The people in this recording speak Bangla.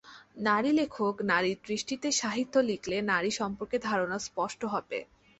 নারী লেখক নারীর দৃষ্টিতে সাহিত্য লিখলে নারী সম্পর্কে ধারণা স্পষ্ট হবে।